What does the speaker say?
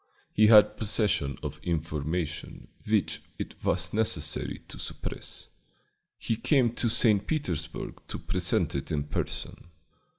He had possession of information which it was necessary to suppress. He came to St. Petersburg to present it in person.